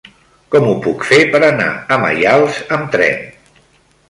Com ho puc fer per anar a Maials amb tren?